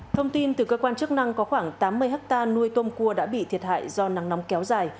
thông tin từ cơ quan chức năng có khoảng tám mươi hectare nuôi tôm cua đã bị thiệt hại do nắng nóng kéo dài